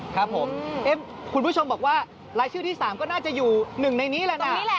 ครับผมคุณผู้ชมบอกว่ารายชื่อที่๓ก็น่าจะอยู่๑ในนี้แหละนะ